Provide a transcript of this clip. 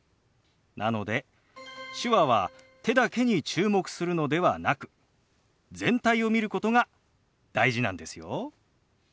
なので手話は手だけに注目するのではなく全体を見ることが大事なんですよ。